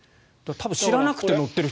多分、知らなくて乗っている人